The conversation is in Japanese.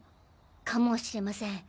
かもしれません。